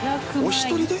お一人で！？